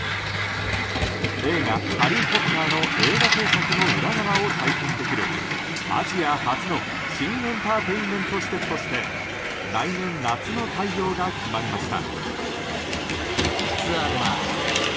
映画「ハリー・ポッター」の映画製作の裏側を体験できるアジア初の新エンターテイメント施設として来年夏の開業が決まりました。